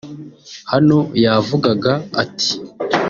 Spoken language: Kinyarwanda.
Hano yavugaga ati